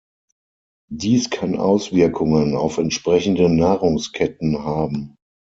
Dies kann Auswirkungen auf entsprechende Nahrungsketten haben.